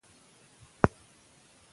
آیا ته کولای شې ما ته یو کتاب راکړې؟